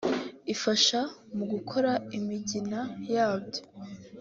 ifasha mu gukora imigina yabyo